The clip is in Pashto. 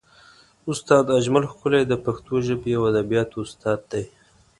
استاد اجمل ښکلی د پښتو ژبې او ادبیاتو استاد دی.